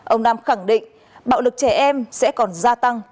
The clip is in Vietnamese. ông nam khẳng định bạo lực trẻ em sẽ còn gia tăng